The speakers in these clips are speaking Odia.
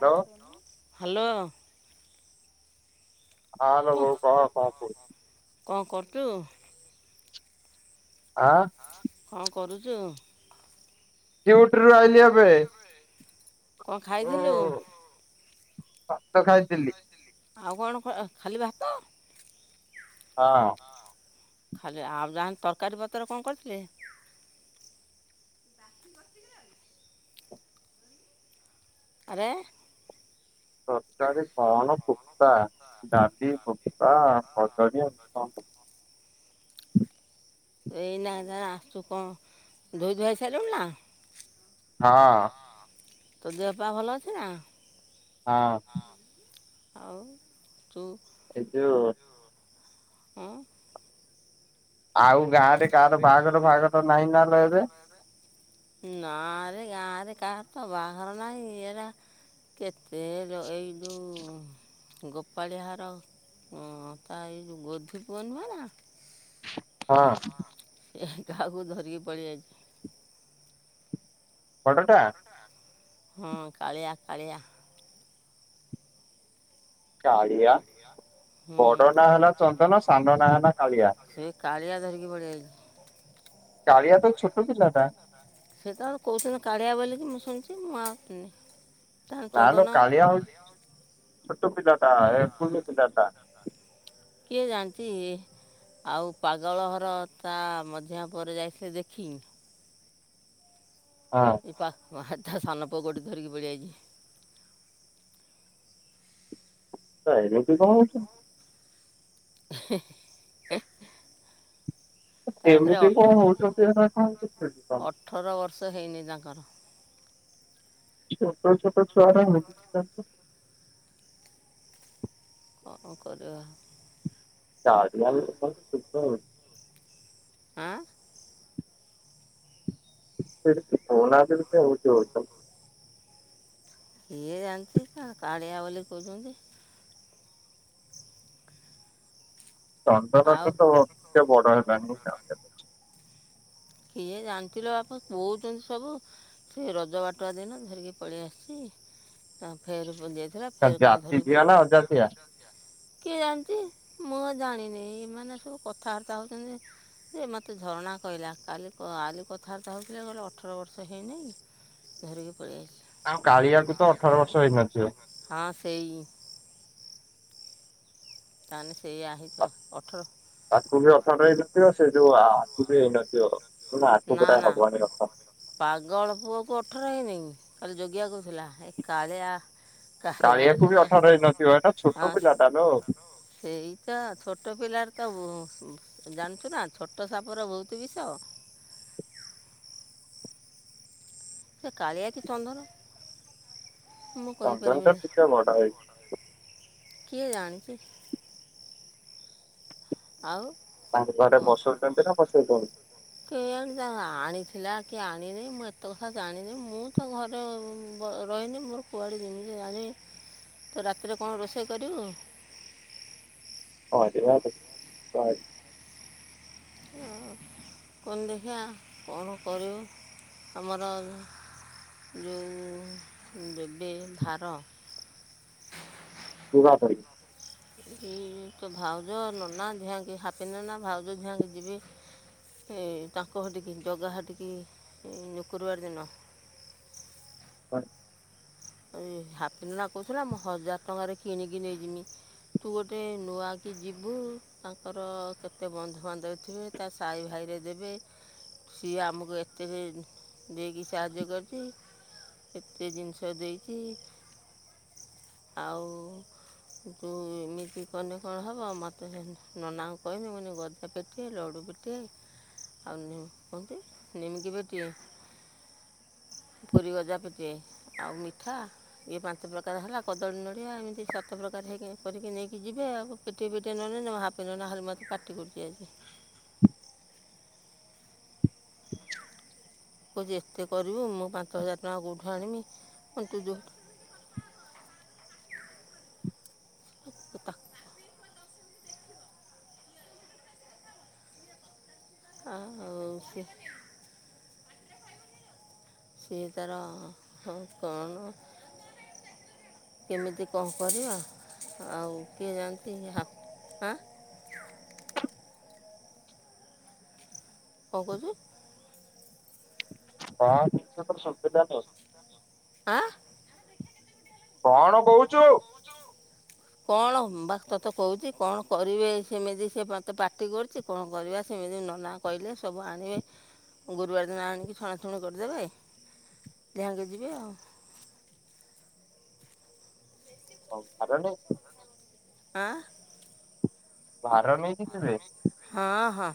Hello hello. ହଁଲ କ'ଣ ବୋଉ କହ କଣ କହୁ କଣ କରଛୁ? ଆ। କଣ କରୁଚୁ? ଡ଼ିଉଟିରୁୁ ଆଇଲି ଏବେ। କଣ ଖାଇଥିଲୁ? ଉଁ ଭାତ ଖାଇଥିଲି। ଆଉ କଣ ଖ ଖାଲି ଭାତ? ହଁ। ଖାଲି ଆଉ ଯାହାନ୍ତି ତରକାରୀ ପତ୍ର କଣ କରିଥିଲେ? ଆରେ ତରକାରୀ କଣ ଫୁଟା ଡାଲି ଫୁଟା କଦଳୀ ଆଉ କଣ। ତୁ ଏଇନା ଏଇନା ଆସୁଚୁ କଣ ଧୋଇ ଧୁଆ ହେଇ ସାରିଲୁଣି ନା? ହଁ। ତୋ ଦେହ ପା ଭଲ ଅଛି ନା? ହଁ। ଆଉ ଚୁ। ଏ ଯୋଉ ହୁଁ। ଆଉ ଗାଁରେ କାହାର ବାହାଘର ଫାହାଘର ତ ନାହିଁ ନା ର ଏବେ। ନା ଆରେ ଗାଁରେ କାହାର ତ ବାହଘର ନାଇଁ ଇରା କେତେ ଏଇ ଯୋଉ ଗୋପାଳିହାର ହଁ ତା ଏଇ ଯୋଉ ଗୋଧି ପୁଅ ନୁହେଁ ନା? ହଁ। ଏହି କାହାକୁ ଧରିକି ପଲେଇ ଏଇଚି। ବଡଟା? ହୁଁ କାଳିଆ କାଳିଆ। କାଳିଆ ହୁଁ ବଡ ନାଁ ହେଲା ଚନ୍ଦନ ସାନ ନାଁ ହେଲା କାଳିଆ। ସେ କାଳିଆ ଧରିକି ପଳେଇ ଏଇଚି। କାଳିଆ ତ ଛୋଟ ପିଲାଟା। ସେତ କହୁସୁନ୍ତି କାଳିଆ ବୋଳିକି ମୁଁ ଶୁଣିଚି ମୁଁ ଆଉ ଚିହ୍ନିନି। ମାଲୋ କାଳିଆ ହଉଚି ଛୋଟ ପିଲାଟା ଏ କୁନି ପିଲାଟା। କିଏ ଜାଣିଚି। ଆଉ ପାଗଳ ଘର ତା ମଝିଆ ପୁଅର ଯାଇଥିଲେ ଦେଖି। ହଁ। ପା ତା ସାନ ପୁଅ ଗୋଟେ ଧରିକି ପଳେଇ ଯାଇଚି। ତ ଏମିତି କଣ ହଉଚ। [unintelligible] ହ [unintelligible] ତାର ଫେରେ ଏମିତି ଅଠ- କଣ ହଉଚ [unintelligible] ନା ନା କଣ କରୁଛନ୍ତି ଅଠର ବର୍ଷ ହେଇନି ତାଙ୍କର। ଛୋଟ ଛୋଟ ଛୁଆ ଗୁରା [unintelligible] କଁ କରିବା। ଚା [unintelligible] ଆଁ। ମନକ ଆଉଠଷ [unintelligible] କିଏ ଜାଣିଚି କା କାଳିଆ ବୋଲି କହୁଚନ୍ତି। ଚନ୍ଦନ ଆଉ ଟା ତ ଟିକେ ବଡ ହେଲାଣିି [unintelligible] କିଏ ଜାଣିଚିଲୋ ବାପ କହୁଚନ୍ତି ସବୁ। ସେ ରଜ ବାଟୁଆ ଦିନ ଧରିକି ପଳେଇ ଆସିଚି। ହଁ ଫେର୍ କଣ ଯାଇଥିଲା ଫେର୍ କଣ ଜାତି ଝିଅ ଧରିବୁ ନା ଅଜାତିଆ କିଏ ଜାଣିଚି ମୁଁ ଜାଣିନି ଏମାନେ ସବୁ କଥାବାର୍ତ୍ତା ହଉଚନ୍ତି। ସେ ମତେ ଝରଣା କଇଲା। କାଲି କ ଆଜି କଥାବାର୍ତ୍ତା ହଉଥିଲେ କହିଲେ ଅଠର ବର୍ଷ ହେଇନାଇଁ ଧରିକି ପଳେଇ ଆଇଚି। ଆମ କାଳିଆକୁ ତ ଅଠର ବର୍ଷ ହେଇନଥିବ। ହଁ ସେଇ। ତାନେ ସେଇଆ ହେଇଥିବ ଅଠର ଆକୁ ବି ଅଠର ହେଇନଥିବ ସେ ଯୋଉ ଆକୁ ବି ହେଇନଥିବ ଆକୁ ନା ଗୋଟେ ନା ହବନି ଅଥ ପାଗଳ ପୁଅକୁ ଅଠର ହେଇନି କାଲି ଯୋଗିଆ କହୁଥିଲା ଏ କାଳିଆ କାଳିଆର କାଳିଆକୁ ବି ସୁଦ୍ଧା ଅଠର ହେଇନଥିବ ଏଟା ଛୋଟ ପିଲାଟା ଲୋ। ସେଇତ ଛୋଟ ପିଲାର ତ ବ ଜାଣିଛୁ ନା ଛୋଟ ସାପର ବହୁତୁ ବିଷ। ସେ କାଳିଆ କି ଚନ୍ଦନ? ମୁଁ ଚନ୍ଦନ ତ କହିପାରିବିନି ଟିକେ ବଡ଼ ହେଇ କିଏ ଜାଣଚି? ଆଉ। ତାଙ୍କ ଘରେ କ- ପସଉଛନ୍ତି ନା ପସଇ ଛନ୍ତି? [unintelligible] କେଜାଣି ତାକୁ ଆଣିଥିଲା କି ଆଣିନେଇ ମୁଁ ଏତେ କଥା ଜାଣିନି ମୁଁ ତ ଘରେ ବ ରହିନି ମୋର କୁଆଡ଼େ ଯେମିତି ଜାଣି ତ ରାତିରେ କଣ ରୋଷେଇ କରିବୁ? [unintelligible] କଣ ଦେଖିଆ କଣ କରିବୁ ଆମର ଯେଉଁ ଯେବେ ଧାର [unintelligible] ଏଇ ତ ଭାଉଜ ନନା ଧିଆଙ୍କି ହାପି ନନା ଭାଉଜ ଧିଆଁଙ୍କି ଯିବି ଏ ତାଙ୍କ ଘରଟିକି ଜଗା ହାର୍ ଟିକି ଏଇ ସୁକ୍ରବାର ଦିନ। [unintelligible] ଏ ହାପି ନନା କହୁଥିଲା ମୁଁ ହଜାର ଟଙ୍କାରେ କିଣିକି ନେଇଯିମି। ତୁ ଗୋଟେ ନୂଆକି ଯିବୁ ତାଙ୍କର କେତେ ବନ୍ଧୁବାନ୍ଧବ ଥିବେ। ତା ସାଇ ଭାଇରେ ଦେବେ। ସିଏ ଆମକୁ ଏତେ ଦେଇକି ସାହାଯ୍ୟ କରିଛି କେତେ ଜିନିଷ ଦେଇଚି। [inaudible] ଆଉ ତୁ ଏମିତି କନେ କଣ ହବ ମତେ ସେ ନନାଙ୍କୁ କହିବି ମୁଁ ପେଟିଏ ଲଡୁ ପେଟିଏ ଆଉ କୁହନ୍ତି ନିମକି ପେଟିଏ ପୁରୀ ଗଜା ପେଟିଏ ଆଉ ମିଠା। ଇଏ ପାଞ୍ଚ ପ୍ରକାର ହେଲା କଦଳୀ ନଡ଼ିଆ ଏମିତି ସାତ ପ୍ରକାର ହେଇକି କରିକି ନେଇକି ଯିବେ ଆଉ। ପେଟିଏ ପେଟିଏ ନହେଲେ ହାପି ନନା ଖାଲି ମତେ ପାଟି କରୁଛି ଆଜି। [inaudible] କହୁଛି ଏତେ କରିବୁ ମୁଁ ପାଞ୍ଚ ହଜାର ଟଙ୍କା କେଉଠୁ ଆଣିବି ତୁ ଯୋଉ [inaudible] [unintelligible] ଆଉ ସେ ସିଏ ତାର କଣ? କେମିତି କଣ କରିବା ଆଉ କିଏ ଜାଣନ୍ତି ହାପି ଆଁ କଣ କହୁଛି? ଅଁ ତୋ କଥା ଶୁଭିଲାଣି। ଆଁ କଣ କହୁଛୁ? କଣ ବା ତୋତେ କହୁଛି କଣ କରିବେ ସେମିତି ସେ ମତେ ପାଟି କରୁଛି। କଣ କରିବା ସେମିତି ନନା କହିଲେ ସବୁ ଆଣିବେ। ଗୁରୁବାର ଦିନ ଆଣିକି ଛଣାଛୁଣା କରିଦେବେ ଯାହା ନେଇକି ଯିବେ ଆଉ। କଣ କାରଣ? ଆଁ ଭାର ନେଇକି ଯିବେ? ହଁ ହଁ।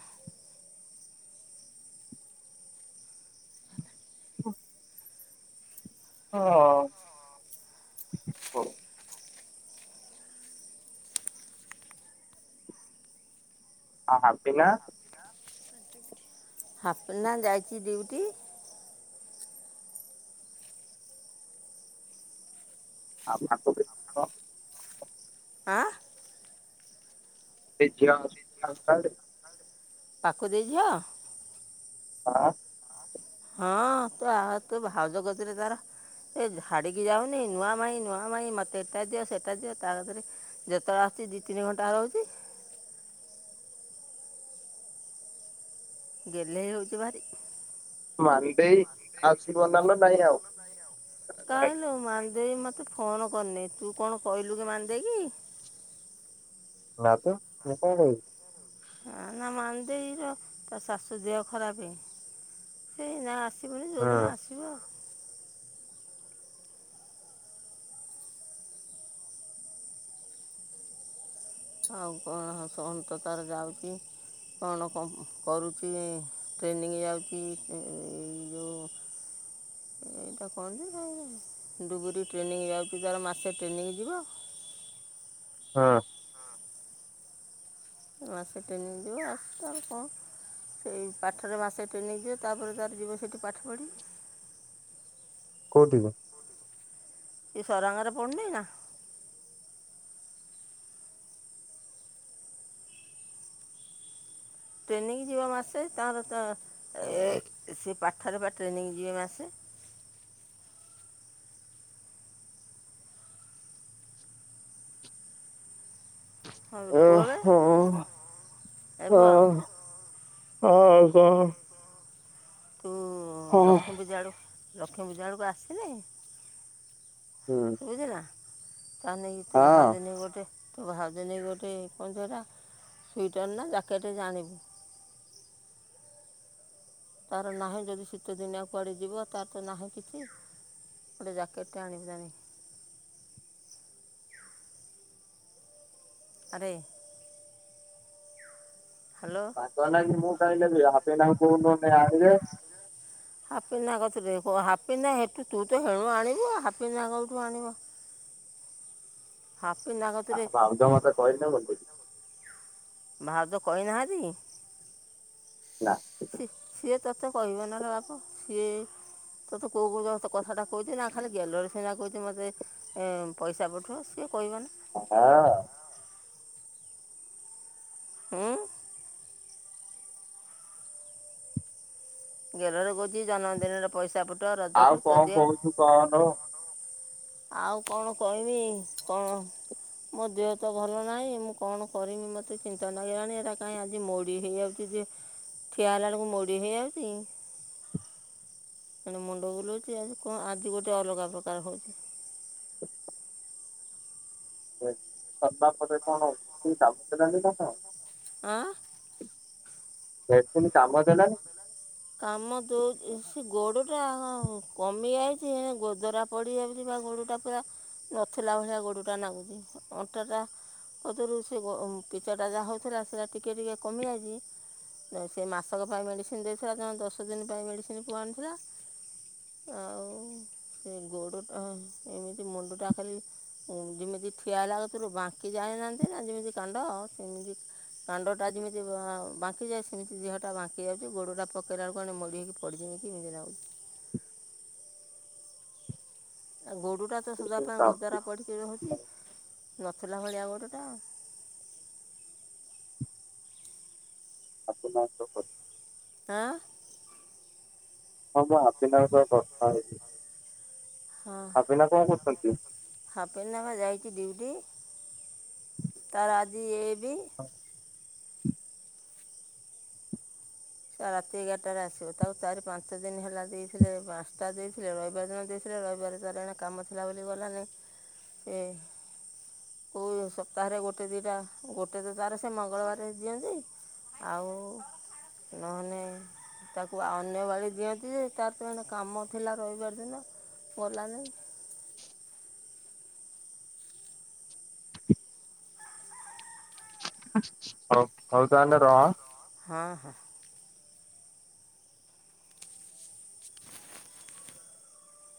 ହଁ। ହଁ। [unintelligible] ହାପି ନା ଯାଇଛି ଡ୍ୟୁଟି। [unintelligible] ଆଃ ସେ ଝିଅ ପାକୁ ଦେଇ ଝିଅ ହଁ ହଁ ତେ ଭାଉଜ କତିରେ ତାର ଏ ଛାଡିକି ଯାଉନି ନୂଆ ମାଇଁ ନୂଆ ମାଇଁ ମତେ ଏଟା ଦିଅ ସେଟା ଦିଅ ତା କତିରେ ଯେତେବେଳେ ଆସଛି ଦି ତିନି ଘଣ୍ଟା ରହୁଛି ଗେହ୍ଲେଇ ହେଉଛିି ଭାରି ମାନ୍ଦେଇ ମାନି ଦେଇ ଆସିବ ନହେଲେ ନାଇଁ ଆଉ। ଗଲା ନା ଆଉ କାହିଁଲେ ମାନି ଦେଇ ଫୋନ୍ କରିନି ତୁ କଣ କହିଲୁ କି ମାନି ଦେଇକି ନା ତ ମୁ କଣ କହିଲି ନା ମାନି ଦେଇର ତା ଶାଶୁ ଦେହ ଖରାପ୍ ସେ ଏଇନା ଆସିବନି ହଁ ଯୋଉଦିନ ଆସିବ ଆଉ ଆଉ କଣ ସନ୍ ତ ତାର ଯାଉଛି କଣ ର କରୁଛି ଟ୍ରେନିଙ୍ଗି ଯାଉଛି ଏ ଯେଉଁ ଏଇଟା କଣ ଯେ ଡୁବୁରି ଟ୍ରେନିଙ୍ଗି ଯାଉଛି ତାର ମାସେ ଟ୍ରେନିଙ୍ଗି ଯିବ ହଁ ହଁ ଏ ମାସେ ଟ୍ରେନିଙ୍ଗି ଯିବ ଆସୁ ତାର କଣ ସେଇ ପାଠରେ ମାସେ ଟ୍ରେନିଙ୍ଗି ଯିବ ତାପରେ ତାର ଯିବ ସେଠି ପାଠ ପଢି କେଉଁଠିିକି ସେ ସରାଙ୍ଗାରେ ପଢୁନିନା ଟ୍ରେନିଙ୍ଗି ଯିବ ମାସେ ତାର ତା ଏ ସେ ପାଠରେ ପା ଟ୍ରେନିଙ୍ଗି ଯିବେ ମାସେ ହଁ ବେ ପୁଅ ବେ ଓହୋ ଏ ପୁଅ ହଁ ହୁଁ ତୁ ହଁ। ଲକ୍ଷ୍ମୀପୂଜା ବେଳକୁଲକ୍ଷ୍ମୀ ପୂଜା ବେଳକୁ ଆସିଲେ ହୁଁ ବୁଝିଲୁ ନା ତା ଲାଗି ଗୋଟେ ତେ ହଁ। ଭାଉଜ ଲାଗି ଗୋଟେ ତେ ଭାଉଜ ଲାଗି ଗୋଟେ କଣ ତ ସେଟା ସ୍ବେଟର ନା ଜାକେଟ୍ ଗୋଟେ ଆଣିବୁ ତାର ନାହିଁ ଯଦି ଶୀତ ଦିନିଆ କୁଆଡ଼େ ଯିବ ତାର ତ ନାହିଁ କିଛି ଗୋଟେ ଜାକେଟ୍ ଟେ ଆଣିବୁ ତା ନାଗି ଆରେ ହ୍ୟାଲୋ ତା ଲାଗି ମୁଁ କାଇଁନେବି ହାପି ନାଙ୍କୁ କହୁନୁ ଗୋଟେ ଆଣିବେ ହାପି ନା କତିରେ କ ହାପି ନା ଏତେ ଦୁରରେ ତୁ ହେଣୁ ଆଣିବୁ ହାପି ନା କେୋଁଠୁ ଆଣିବ ହାପି ନା କତିରେ ଭାଉଜ ମତେ କହିଲେ ମୁଁ ନେବି। ଭାଉଜ କହିନାହାନ୍ତିକି ନା ସିଏ ତୋତେ କହିବନା ରେ ବାପ ସେ ତତେ କୋଉ କୋ କଥାଟା କହିଛି ନା ଖାଲି ଗୋଲରେ ସିନା କହିଛି ମତେ ପଇସା ପଠା ସିଏ କହିବନା ହଁ ହଁ ଗେଲରେ କହୁଛି ଜନ୍ମଦିନରେ ପଇସା ଫୁଟ ରଜ ଖର୍ଚ୍ଚ ଦିଅ କହୁନୁ ଆଉ କଣ କହିବି କଣ ମୋ ଦେହ ତ ଭଲ ନାହିଁ ମୁଁ କଣ କରମି ମତେ ଚିନ୍ତା ନାଗିଲାଣି ଏଟା କାଇହିଁ ଆଜି ମୋଡି ହେଇଯାଉ ଚୁ ଯେ ଠିଆ ହେଲା ବେଳକୁ ମୋଡ଼ି ହେଇଯାଉଛି। କଣ ମୁଣ୍ଡ ବୁଲାଉଛି ଆ କଣ ଆଜି ଗୋଟେ ଅଲଗା ପ୍ରକାର ହଉଛି। [inaudible] ଅଁ ଭ୍ୟାକସିନ କାମ ଦେଲାନି। କାମ ଦଉଛି ସେ ଗୋଡ ଟା କମି ଯାଇଛି ଗୋଦରା ପଡ଼ିଯାଉଛି ବା ଗୋଡ଼ଟା ପୁରା ନଥିଲା ଭଳିଆ ଗୋଡ଼ଟା ନାଗୁଛି ଅଣ୍ଟାଟା ଅଦରୁ ସେ ପିଚ ଟା ଯାହା ହଉଥିଲା ସେଟା ଟିକେ ଟିକେ କମି ଯାଇଛି। ସେ ମାସକ ପାଇଁ ମେଡ଼ିସିନ ଦେଇଥିଲା ତେଣୁ ଦଶ ଦିନ ପାଇଁ ମେଡ଼ିସିନ ପୁଅ ଆଣିଥିଲା। ଆଉ ସେ ଗୋଡ଼ଟା ଏମିତି ମୁଣ୍ଡଟା ଖାଲି ଯେମିତି ଠିଆ ହେଲା ବେଳକୁ ଯେମିତି ବାଙ୍କି ଯାଣିନାହାନ୍ତି ନା ଯେମିତି କାଣ୍ଡ ସେମିତି କାଣ୍ଡ ଟା ଯେମିତି ବାଙ୍କି ଯାଏ ସେମିତି ଦେହ ଟା ବାଙ୍କି ଯାଉଛି ଗୋଡଟା ପକେଇଲା ବେଳକୁ ଗୋଡ଼ଟା ମଡି ହେଇକି ପଡିଯିବି ଏମିତି ଲାଗୁଛି। ଆଉ ଗୋଡ଼ଟା ତ ସଜା ମେସିନ୍ ପାଇଁ କାମ ଦେଇ ଗୋଦାରା ପଡ଼ିକି ରହୁଛି ନଥିଲା ଭଳିଆ ଗୋଡ଼ଟା। [inaudible] ଆଁ ହଁ ମୁଁ ହାପିନାଙ୍କ ସହ କଥା ହେଇ ହାପିନା କଣ କରୁଛନ୍ତି? ହାପିନା ବା ଯାଇଛି ଡ୍ୟୁଟି ତାର ଆଜି ଏବି। ହ ସେ ରାତି ଏଗାରଟାରେ ଆସିବ ତାକୁ ଚାରି ପାଞ୍ଚ ଦିନ ହେଲା ଦେଇଥିଲେ ପାଞ୍ଚଟା ଦେଇ ଥିଲେ ରବିବାର ଦିନ ଦେଇଥିଲେ ରବିବାର ତାର ଜଣେ କାମ ଥିଲା ବୋଲି ଗଲାନି ସେ କୋଉ ସପ୍ତାହରେ ଗୋଟେ ଦିଟା ଗୋଟେ ତ ତାର ସେ ମଙ୍ଗଳବାର ଦିଅନ୍ତି। ଆଉ ନହନେ ତାକୁ ଅନ୍ୟ ବାଳି ଦିଅନ୍ତି ଯେ ତାର ତ କାମ ଥିଲା ରବିବାର ଦିନ ଗଲାନି। ହଉ ହଉ ତାହେଲେ ରହ ହଁ-ହଁ।